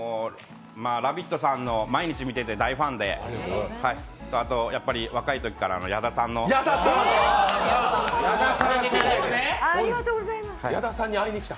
「ラヴィット！」さんの毎日見てて大ファンで、あとやっぱり若いときから矢田さんの矢田さんに会いに来た？